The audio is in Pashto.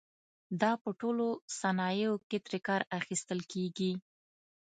دا په ټولو صنایعو کې ترې کار اخیستل کېږي.